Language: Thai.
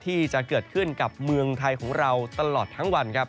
ที่จะเกิดขึ้นกับเมืองไทยของเราตลอดทั้งวันครับ